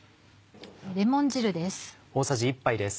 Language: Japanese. レモン汁です。